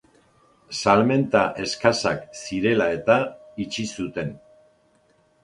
Salmenta eskasak zirela eta itxi zuten.